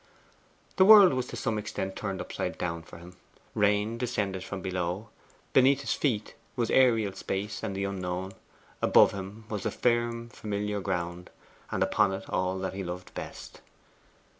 The world was to some extent turned upside down for him. Rain descended from below. Beneath his feet was aerial space and the unknown; above him was the firm, familiar ground, and upon it all that he loved best.